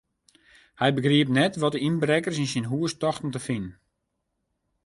Hy begriep net wat de ynbrekkers yn syn hús tochten te finen.